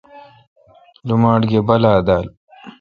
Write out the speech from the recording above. لوماٹ گی بالہ دال